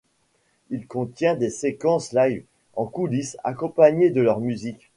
Il contient des séquences live, en coulisses, accompagnées de leur musique.